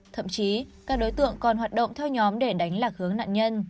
thậm chí các đối tượng còn hoạt động theo nhóm để đánh lạc hướng nạn nhân